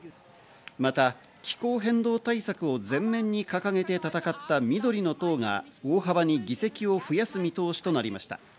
また気候変動対策を全面に掲げて戦った、緑の党が大幅に議席を増やす見通しとなりました。